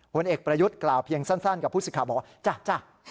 ผลเอกประยุทธ์กล่าวเพียงสั้นกับผู้สิทธิ์บอกว่าจ้ะ